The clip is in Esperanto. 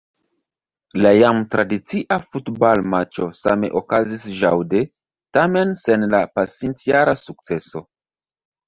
La jam tradicia futbalmaĉo same okazis ĵaŭde, tamen sen la pasintjara sukceso.